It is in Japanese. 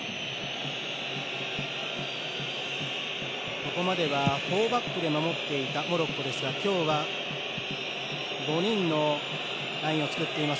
ここまでは、４バックで守っていたモロッコですが今日は５人のラインを作っています。